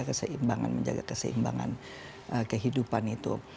keseimbangan menjaga keseimbangan kehidupan itu